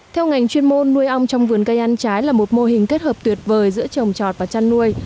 theo ngành chuyên môn nuôi ong trong vườn cây ăn trái là một mô hình kết hợp tuyệt vời giữa trồng trọt và chăn nuôi